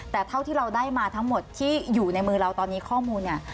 แต่เท่าที่เราได้มาทั้งหมดที่อยู่ในมือเราตอนนี้ข้อมูลเนี่ย